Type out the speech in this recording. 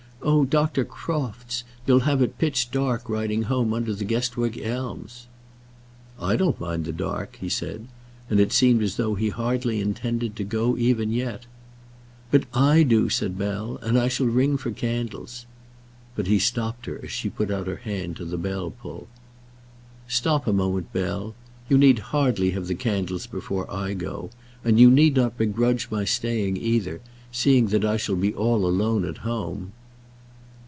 Oh, Dr. Crofts! you'll have it pitch dark riding home under the Guestwick elms." "I don't mind the dark," he said; and it seemed as though he hardly intended to go even yet. "But I do," said Bell, "and I shall ring for candles." But he stopped her as she put her hand out to the bell pull. "Stop a moment, Bell. You need hardly have the candles before I go, and you need not begrudge my staying either, seeing that I shall be all alone at home."